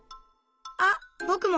あっぼくも！